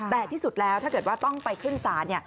แต่ที่สุดแล้วถ้าเกิดว่าต้องไปขึ้นศาล